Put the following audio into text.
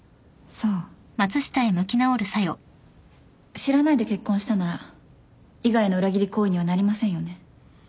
知らないで結婚したなら伊賀への裏切り行為にはなりませんよね？